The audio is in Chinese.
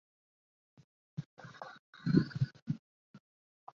香港日治时期曾用作日本人俱乐部会所。